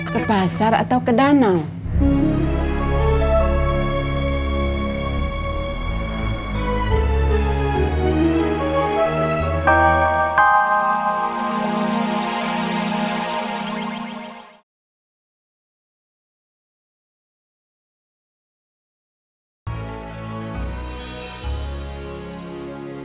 ke pasar atau ke danang